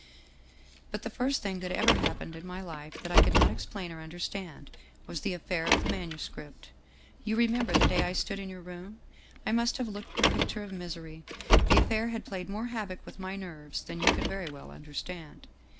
" But the first thing that ever happened in my life that I could not explain or understand was the affair of the manuscript. You remember the day I stood in your room? I must have looked the picture of misery. The affair had played more havoc with my nerves than you can very well understand.